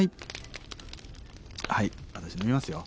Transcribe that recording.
はい私飲みますよ。